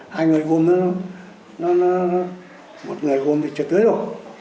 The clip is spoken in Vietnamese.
hai người gồm nó một người gồm thì chưa tưới đâu